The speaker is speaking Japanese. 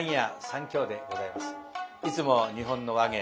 いつも「日本の話芸」